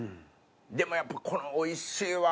でもやっぱこのおいしいわ。